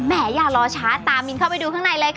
อย่ารอช้าตามมินเข้าไปดูข้างในเลยค่ะ